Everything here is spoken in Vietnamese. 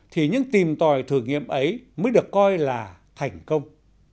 thì những tìm tòi thử nghiệm ấy mới được coi là thành công